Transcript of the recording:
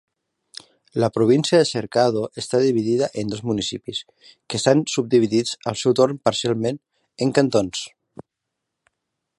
La província de Cercado està dividida en dos municipis, que estan subdividits al seu torn parcialment en cantons.